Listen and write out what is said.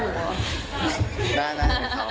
ได้ให้เขามา